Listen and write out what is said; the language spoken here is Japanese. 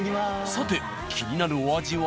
さて気になるお味は？